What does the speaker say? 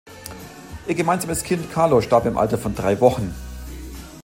Ihr gemeinsames Kind Carlo starb im Alter von drei Wochen.